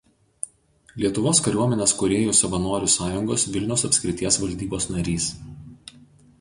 Lietuvos kariuomenės kūrėjų savanorių sąjungos Vilniaus apskrities valdybos narys.